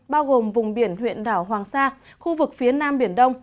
bao gồm vùng biển huyện đảo hoàng sa khu vực phía nam biển đông